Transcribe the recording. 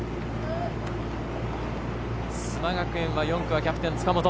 須磨学園は４区はキャプテン、塚本。